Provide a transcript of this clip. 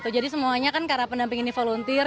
jadi semuanya kan karena pendamping ini volunteer